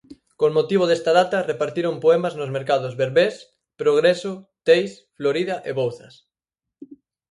Con motivo desta data repartiron poemas nos mercados Berbés, Progreso, Teis, Florida e Bouzas.